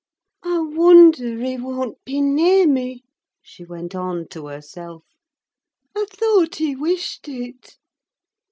I wonder he won't be near me!" She went on to herself. "I thought he wished it.